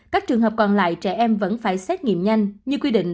các trường hợp còn lại trẻ em vẫn phải xét nghiệm nhanh như quy định